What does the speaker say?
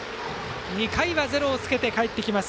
２回はゼロをつけて帰ってきます